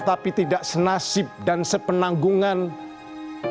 tapi tidak sepupu tidak sepupu tidak sepupu tidak sepupu